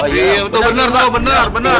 iya benar benar